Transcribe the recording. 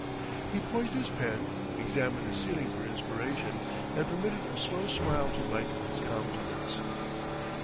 He poised his pen, examined the ceiling for inspiration, and permitted a slow smile to lighten his countenance.